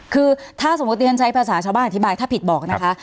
คือถ้าสมมุติฉันใช้ภาษาชาวบ้านอธิบายถ้าผิดบอกนะคะ